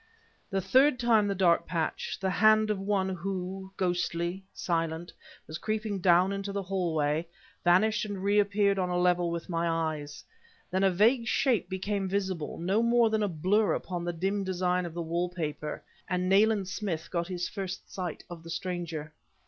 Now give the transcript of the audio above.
A third time the dark patch the hand of one who, ghostly, silent, was creeping down into the hallway vanished and reappeared on a level with my eyes. Then a vague shape became visible; no more than a blur upon the dim design of the wall paper... and Nayland Smith got his first sight of the stranger.